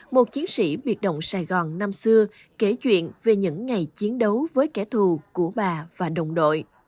một chiến sĩ biệt động sài gòn năm xưa kể chuyện về những ngày chiến đấu với kẻ thù của bà và đồng đội